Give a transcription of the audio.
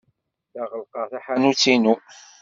La ɣellqeɣ taḥanut-inu.